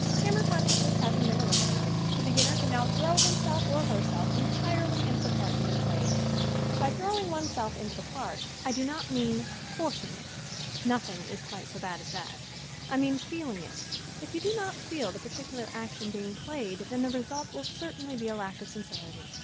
Camera consciousness having been elimi nated the beginner can now throw himself or herself entirely into the part being played. By throwing one's self into the part I do not mean 76 SCREEN ACTING forcing it. Nothing is quite so bad as that. I mean feeling it. If you do not feel the particu lar action being played then the result will cer tainly be a lack of sincerity.